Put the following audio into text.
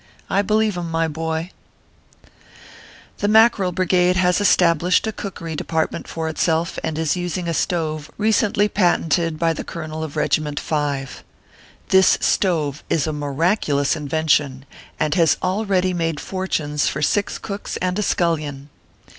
I believe him, my boy ! The Mackerel Brigade has established a cookery department for itself, and is using a stove recently patented by the colonel of Regiment 5. This stove is a miraculous invention, and has already made for tunes for six cooks and a scullion.